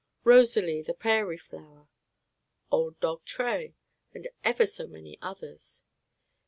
"Rosalie, the Prairie Flower," "Old Dog Tray," and ever so many others.